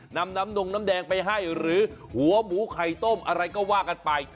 นำน้ำนงน้ำแดงไปให้หรือหัวหมูไข่ต้มอะไรก็ว่ากันไป